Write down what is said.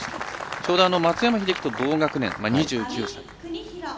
ちょうど松山英樹と同学年２９歳。